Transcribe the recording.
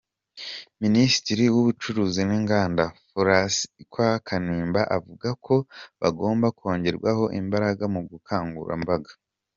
Minisitiri w’Ubucuruzi n’Inganda, Furasikwa Kanimba, avuga ko hagomba kongerwa imbaraga mu bukangurambaga.